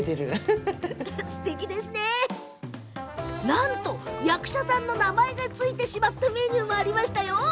なんと役者の名前が付いてしまったメニューもありました。